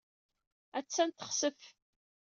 Attan texsef.